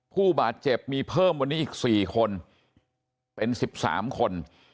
ผู้บาดเจ็บมีเพิ่มวันนี้อีก๔คนเป็น๑๓คน